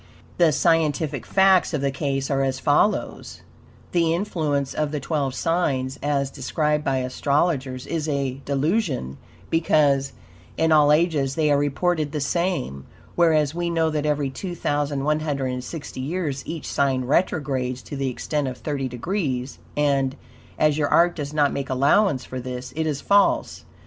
The scientific facts of the case are as follows: The influence of the twelve signs, as described by astrologers, is a delusion, because in all ages they are reported the same; whereas WE KNOW that every 2,160 years each sign retrogrades to the extent of thirty degrees, and, as your art does not make allowance for this, it is false.